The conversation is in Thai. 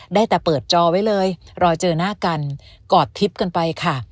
ได้แต่เปิดจอไว้เลยรอเจอหน้ากันกอดทิพย์กันไปค่ะ